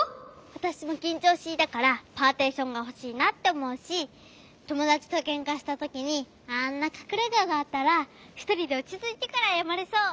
わたしもきんちょうしいだからパーティションがほしいなっておもうしともだちとけんかしたときにあんなかくれががあったらひとりでおちついてからあやまれそう。